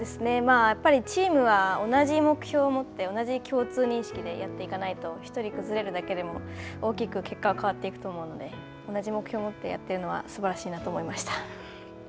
やっぱりチームは同じ目標を持って、同じ共通認識でやっていかないと、１人崩れるだけでも、大きく結果は変わっていくと思うので、同じ目標を持ってやっているのはすばらしいなと思いました。